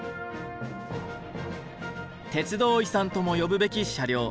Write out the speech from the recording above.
鉄道遺産とも呼ぶべき車両。